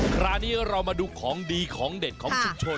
คราวนี้เรามาดูของดีของเด็ดของชุมชน